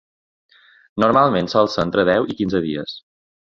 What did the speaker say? Normalment sol ser entre deu i quinze dies.